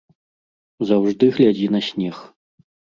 Заўжды глядзі на снег.